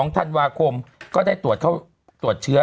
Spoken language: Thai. ๒ธันวาคมก็ได้ตรวจเข้าตรวจเชื้อ